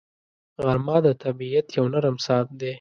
غرمه د طبیعت یو نرم ساعت دی